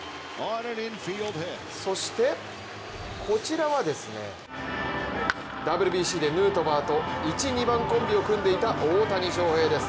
そしてこちらはＷＢＣでヌートバーと１、２番コンビを組んでいた大谷翔平です。